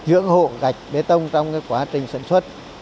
năng lượng tái tạo để dưỡng hộ gạch bế tông trong quá trình sản xuất